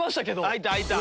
開いた開いた。